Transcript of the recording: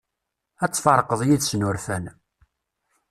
Ad tferqeḍ yid-sen urfan.